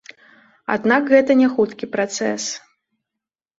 Аднак гэта няхуткі працэс.